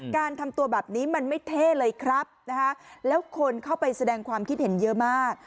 การทำตัวแบบนี้มันไม่เท่เลยครับนะคะแล้วคนเข้าไปแสดงความคิดเห็นเยอะมาก